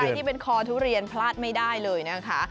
ที่เป็นคอทุเรียนพลาดไม่ได้เลยนะคะ